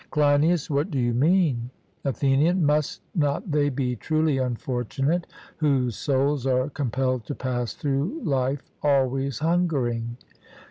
CLEINIAS: What do you mean? ATHENIAN: Must not they be truly unfortunate whose souls are compelled to pass through life always hungering?